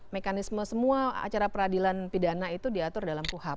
mekanisme semua acara peradilan pidana itu diatur dalam kuhap